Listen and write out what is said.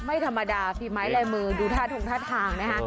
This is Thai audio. ไม่ธรรมดาฝีไม้ลายมือดูท่าทงท่าทางนะคะ